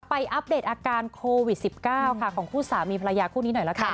อัปเดตอาการโควิด๑๙ค่ะของคู่สามีภรรยาคู่นี้หน่อยละกัน